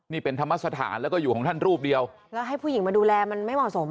นี่เป็นธรรมสถานแล้วก็อยู่ของท่านรูปเดียวแล้วให้ผู้หญิงมาดูแลมันไม่เหมาะสม